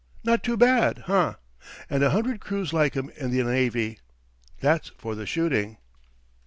Not too bad hah? And a hundred crews like 'em in the navy. That's for the shooting."